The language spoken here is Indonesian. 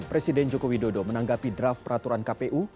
presiden jokowi dodo menanggapi draft peraturan kpu